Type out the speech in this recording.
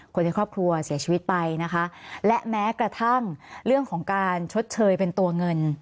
คนในครอบครัวเสียชีวิตไปนะคะและแม้กระทั่งเรื่องของการชดเชยเป็นตัวเงิน